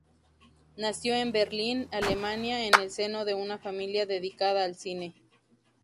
Nació en Berlín, Alemania, en el seno de una familia dedicada al cine.